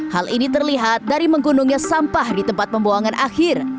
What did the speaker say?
hal ini terlihat dari menggunungnya sampah di tempat pembuangan akhir